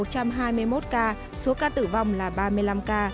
số ca tử vong là ba mươi năm